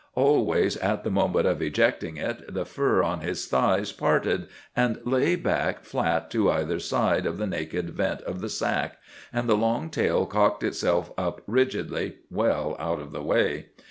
Always, at the moment of ejecting it, the fur on his thighs parted and lay back flat to either side of the naked vent of the sac, and the long tail cocked itself up rigidly, well out of the way.